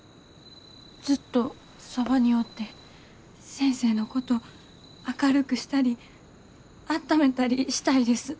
ずっとそばにおって先生のこと明るくしたりあっためたりしたいです。